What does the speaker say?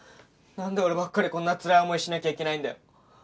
なんで俺ばっかりこんなつらい思いしなきゃいけないんだよ。